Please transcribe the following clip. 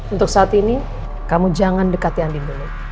untuk saat ini kamu jangan dekati andi dulu